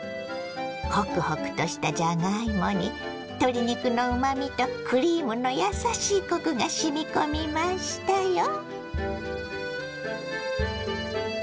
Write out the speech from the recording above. ホクホクとしたじゃがいもに鶏肉のうまみとクリームのやさしいコクがしみ込みましたよ。